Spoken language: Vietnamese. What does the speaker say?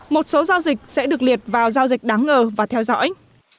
một số giao dịch sẽ được liệt vào giao dịch đáng ngờ và theo dõi